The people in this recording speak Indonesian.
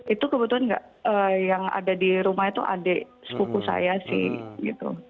itu kebetulan nggak yang ada di rumah itu adik sepupu saya sih gitu